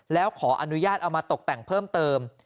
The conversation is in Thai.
แล้วขออนุญาตเอามาตกแต่งเพิ่มเติม